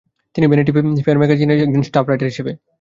তিনি Vanity Fair ম্যাগাজিনে যান একজন স্টাফ রাইটার হিসেবে।